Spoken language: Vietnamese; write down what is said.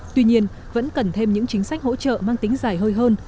tuy nhiên vẫn cần thêm những chính sách hỗ trợ mang tính dài hơi hơn